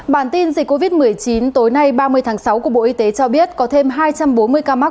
bản tin dịch covid một mươi chín tối nay ba mươi tháng sáu của bộ y tế cho biết có thêm hai trăm bốn mươi ca mắc